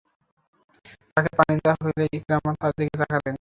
তাকে পানি দেয়া হলে ইকরামা তার দিকে তাকালেন।